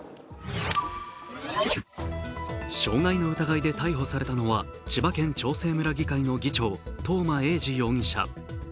傷害の疑いで逮捕されたのは、千葉県長生村の議長、東間永次容疑者。